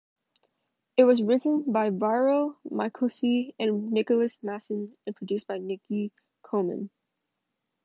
It was written by Viorel Mihalcea and Nicolas Masson and produced by Niki Coman.